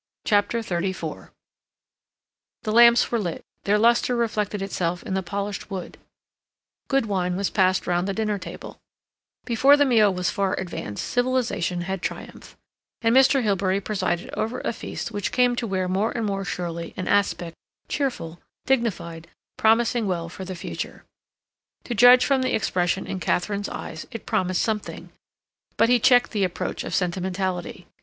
CHAPTER XXXIV The lamps were lit; their luster reflected itself in the polished wood; good wine was passed round the dinner table; before the meal was far advanced civilization had triumphed, and Mr. Hilbery presided over a feast which came to wear more and more surely an aspect, cheerful, dignified, promising well for the future. To judge from the expression in Katharine's eyes it promised something—but he checked the approach sentimentality.